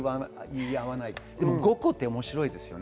でもごっこって面白いですね。